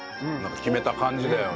決めた感じだよね。